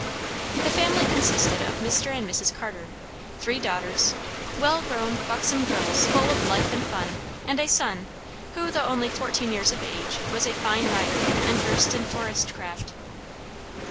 The family consisted of Mr. and Mrs. Carter, three daughters, well grown, buxom girls, full of life and fun, and a son, who, though only fourteen years of age, was a fine rider and versed in forest craft.